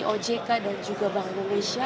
ojk dan juga bank indonesia